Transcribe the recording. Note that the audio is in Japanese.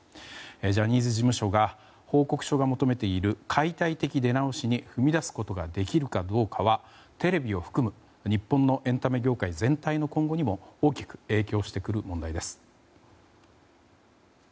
ジャニーズ事務所が報告書が求めている解体的出直しに踏み出すことができるかどうかはテレビを含む日本のエンタメ業界全体の今後にも大きく影響してくる問題です。